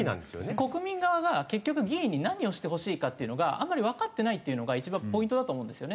国民側が結局議員に何をしてほしいかっていうのがあんまりわかってないっていうのが一番ポイントだと思うんですよね。